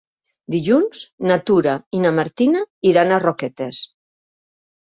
Dilluns na Tura i na Martina iran a Roquetes.